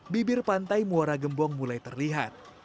bibir pantai muara gembong mulai terlihat